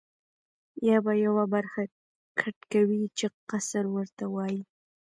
یا به یوه برخه کټ کوې چې قصر ورته وایي.